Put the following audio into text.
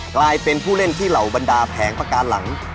กลายเป็นผู้เล่นที่เหล่าบรรดาแผงประการหลัง